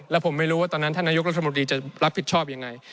แล้วผมไม่รู้ว่าตอนนั้นท่านนายกรัฐมนตรีจะรับผิดชอบยังไง